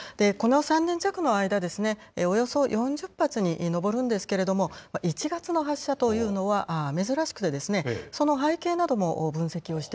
この３年弱の間、およそ４０発に上るんですけれども、１月の発射というのは珍しくて、なぜなんでしょうね。